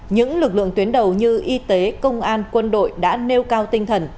những lực lượng tuyến đầu như y tế công an quân đội đã nêu cao tinh thần